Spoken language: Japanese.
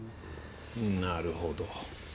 なるほど。